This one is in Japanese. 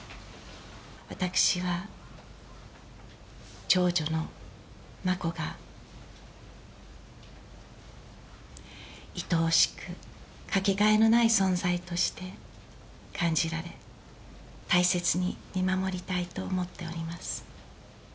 私は長女の眞子がいとおしく、掛けがえのない存在として感じられ、大切に見守りたいと思っております。